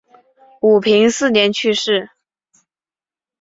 武平四年去世。